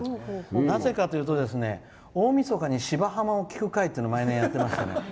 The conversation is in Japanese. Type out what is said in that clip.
なぜかというと大みそかに「芝浜」を聞く会を毎年やってまして。